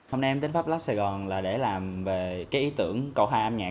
hôm nay em đến fablab sài gòn là để làm về cái ý tưởng cầu thang âm nhạc